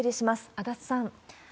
足立さん。